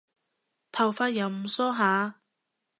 頭髮又唔梳下